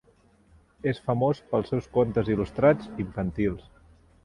És famós pels seus contes il·lustrats infantils.